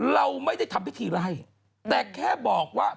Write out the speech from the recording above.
เราไม่ได้ทำพิธีไล่แต่แค่บอกว่า